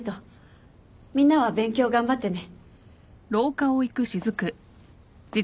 みんなは勉強頑張ってね。